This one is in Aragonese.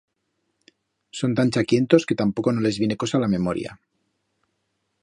Son tan chaquientos que tampoco no les viene cosa a la memoria.